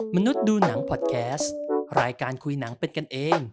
มนุษย์ดูหนังพอดแคสต์รายการคุยหนังเป็นกันเอง